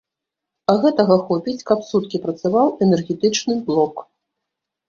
А гэтага хопіць, каб суткі працаваў энергетычны блок.